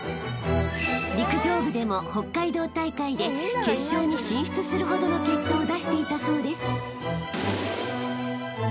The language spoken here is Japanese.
［陸上部でも北海道大会で決勝に進出するほどの結果を出していたそうです］